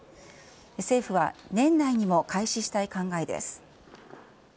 政府は年内にも開始したい考えです。